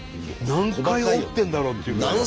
何回折ってんだろうっていうぐらい。